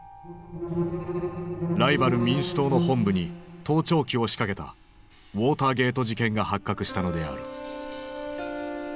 ライバル民主党の本部に盗聴器を仕掛けたウォーターゲート事件が発覚したのである。